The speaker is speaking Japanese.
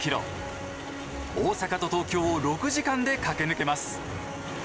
大阪と東京を６時間で駆け抜けます。